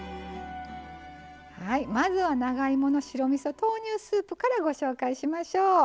まずは長芋の白みそ豆乳スープからご紹介しましょう。